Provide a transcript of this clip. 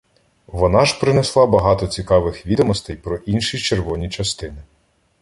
Вона ж принесла багато цікавих відомостей про інші червоні частини.